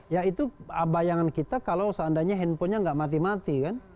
ya itu bayangan kita kalau seandainya handphonenya nggak mati mati kan